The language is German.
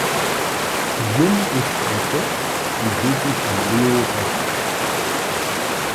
Jin ist entsetzt und will sich an Leo rächen.